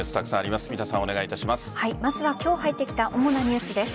まずは今日入ってきた主なニュースです。